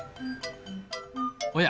おや。